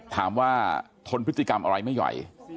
ถามว่าทนพฤติกรรมอะไรไม่ไหว